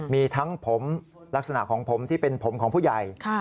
มีทั้งผมลักษณะของผมที่เป็นผมของผู้ใหญ่